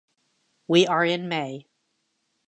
We are in May.